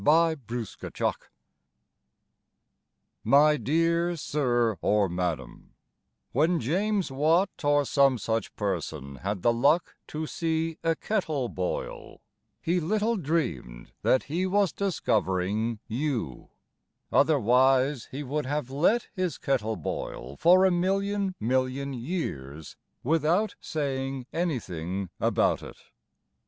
TO THE TRIPPER My dear Sir, or Madam, When James Watt, Or some such person, Had the luck To see a kettle boil, He little dreamed That he was discovering you, Otherwise he would have let his kettle boil For a million million years Without saying anything about it.